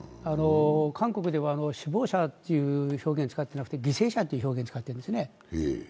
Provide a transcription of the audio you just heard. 韓国では死亡者という表現使っていなくて犠牲者という表現を使っているんですね。